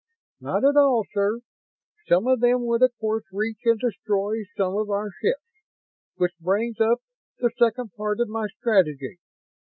"Not at all, sir. Some of them would of course reach and destroy some of our ships. Which brings up the second part of my strategy.